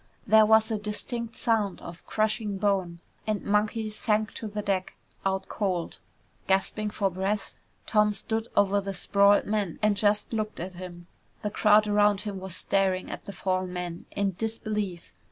There was a distinct sound of crushing bone and Monkey sank to the deck, out cold. Gasping for breath, Tom stood over the sprawled man and just looked at him. The crowd around him was staring at the fallen man in disbelief.